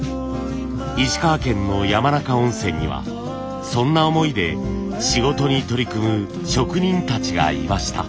石川県の山中温泉にはそんな思いで仕事に取り組む職人たちがいました。